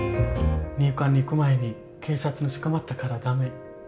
入管に行く前に警察に捕まったから駄目。